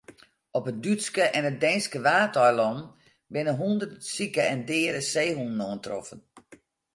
Op de Dútske en Deenske Waadeilannen binne hûnderten sike en deade seehûnen oantroffen.